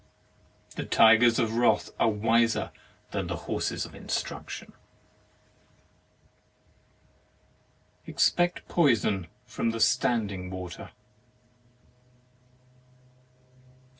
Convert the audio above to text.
The tigers of wrath are wiser than the horses of instruction. Expect poison from the standing water.